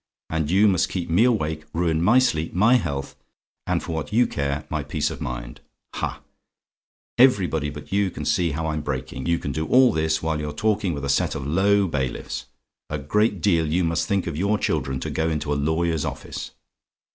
And you must keep me awake, ruin my sleep, my health, and for what you care, my peace of mind. Ha! everybody but you can see how I'm breaking. You can do all this while you're talking with a set of low bailiffs! A great deal you must think of your children to go into a lawyer's office.